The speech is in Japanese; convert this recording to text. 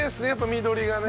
緑がね。